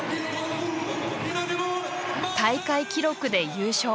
大会記録で優勝。